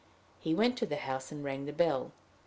He went to the house and rang the bell.